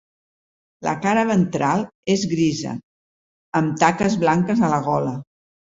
La cara ventral és grisa amb taques blanques a la gola.